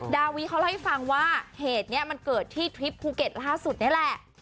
ดาวีเขาเล่าให้ฟังว่าเหตุนี้มันเกิดที่ทริปภูเก็ตล่าสุดนี่แหละ